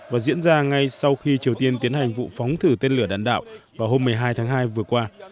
và diễn ra ngay sau khi triều tiên tiến hành vụ phóng thử tên lửa đạn đạo vào hôm một mươi hai tháng hai vừa qua